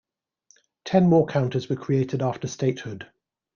Ten more counties were created after statehood.